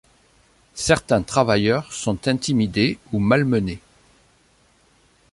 Certains travailleurs sont intimidés ou malmenés.